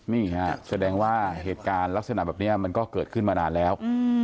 นี่ฮะแสดงว่าเหตุการณ์ลักษณะแบบนี้มันก็เกิดขึ้นมานานแล้ว